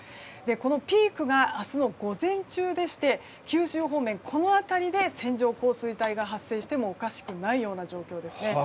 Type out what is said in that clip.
このピークが明日の午前中でして九州方面、この辺りで線状降水帯が発生してもおかしくない状況です。